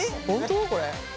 これ。